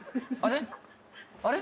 あれ？